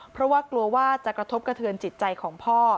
เพราะว่ากลัวว่าจะกระทบกระเทือนจิตใจของพ่อ